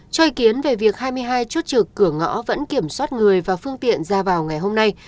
cho ý kiến về việc hai mươi hai chốt trực cửa ngõ vẫn kiểm soát người và phương tiện ra vào ngày hôm nay